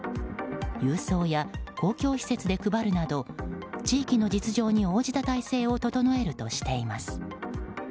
郵送や、公共施設で配るなど地域の実情に応じた体制を整えるとしています。